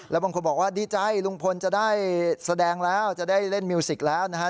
แล้วบางคนบอกว่าดีใจลุงพลจะได้แสดงแล้วจะได้เล่นมิวสิกแล้วนะฮะ